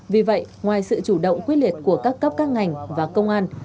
vì vậy ngoài sự chủ động quyết liệt của các cấp các ngành và công an